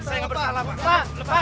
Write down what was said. saya nggak beritahu pak